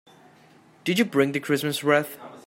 Did you bring the Christmas wreath?